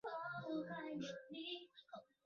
伯扎讷人口变化图示